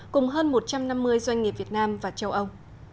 cùng hơn một trăm năm mươi doanh nghiệp việt nam và châu âu